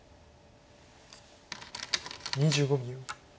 ２５秒。